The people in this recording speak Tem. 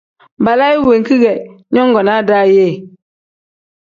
Balaayi wenki ge nyongonaa daa ye ?